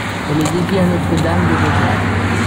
Elle est dédiée à Notre-Dame du Rosaire.